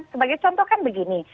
sebagai contoh kan begini